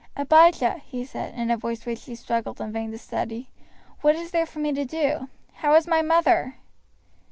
"Abijah," he said, in a voice which he struggled in vain to steady, "what is there for me to do? How is my mother?"